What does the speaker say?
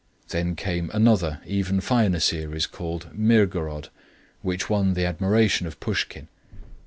Then came another even finer series called Mirgorod, which won the admiration of Pushkin.